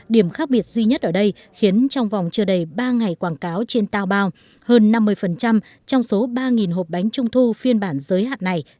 điểm khác biệt duy nhất ở đây khiến trong vòng chưa đầy ba ngày quảng cáo trên tao bao hơn năm mươi trong số ba hộp bánh trung thu phiên bản giới hạn này